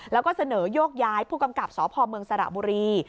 แล้วก็เสนอโยกย้ายผู้กำกับสพเมืองสระบุรี